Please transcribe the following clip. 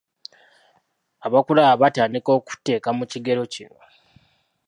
Abakulaba batandika okukuteeka mu kigero kyo.